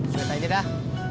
saya tarik dia dah